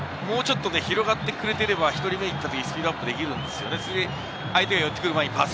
もうちょっと広がってくれてれば、１人目に行ったときにスピードアップできるんですよ。